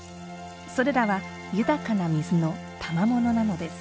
それらは豊かな水のたまものなのです。